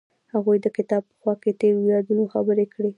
هغوی د کتاب په خوا کې تیرو یادونو خبرې کړې.